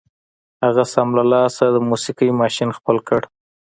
هغه سم له لاسه د موسيقۍ ماشين خپل کړ.